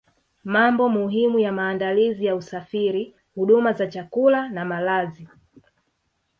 Mambo muhimu ya maandalizi ya usafiri huduma za chakula na malazi